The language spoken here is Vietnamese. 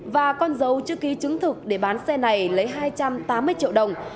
và con dấu chữ ký chứng thực để bán xe này lấy hai trăm tám mươi triệu đồng